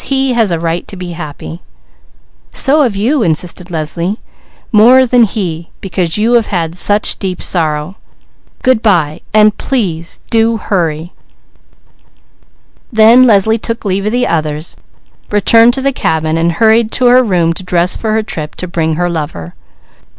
He has a right to be happy." "So have you," insisted Leslie. "More than he, because you have had such deep sorrow. Good bye." Then Leslie took leave of the others, returned to the cabin, and hurried to her room to dress for her trip to bring her lover.